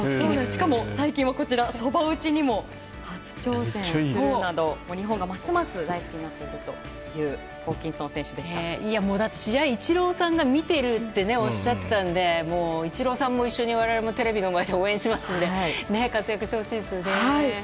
しかも、最近はそば打ちにも初挑戦するなど日本がますます大好きになっている試合、イチローさんが見ているっておっしゃったのでイチローさんと一緒に我々もテレビの前で応援しますので活躍してほしいですよね。